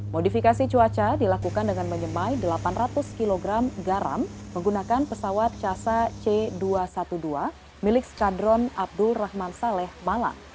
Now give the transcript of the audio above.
modifikasi cuaca dilakukan dengan menyemai delapan ratus kg garam menggunakan pesawat casa c dua ratus dua belas milik skadron abdul rahman saleh malang